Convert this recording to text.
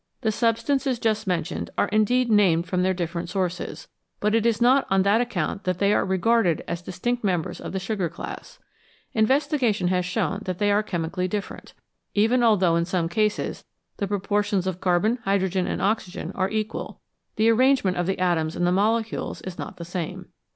The x substances just mentioned are indeed named from their different sources, but it is not on that account that they are regarded as distinct members of the sugar class. Investigation has shown that they are chemically different ; even although in some cases the proportions of carbon, hydrogen, and oxygen are equal, the arrange 228 SUGAR AND STARCH ment of the atoms in the molecules is not the same.